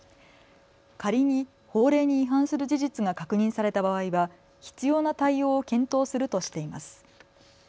仮に法令に違反する事実が確認された場合は必要な対応を検討するとしています。